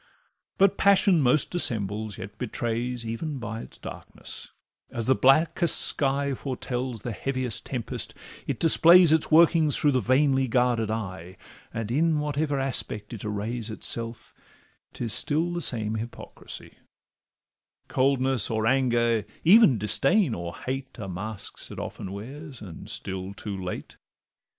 But passion most dissembles, yet betrays Even by its darkness; as the blackest sky Foretells the heaviest tempest, it displays Its workings through the vainly guarded eye, And in whatever aspect it arrays Itself, 'tis still the same hypocrisy; Coldness or anger, even disdain or hate, Are masks it often wears, and still too late.